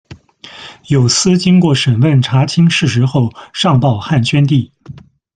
有司经过审问查清事实后，上报汉宣帝。